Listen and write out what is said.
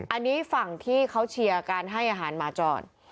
อันนี้ฝั่งที่เขาเชียร์การให้อาหารหมาจร